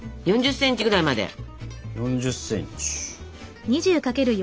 ４０ｃｍぐらいまで。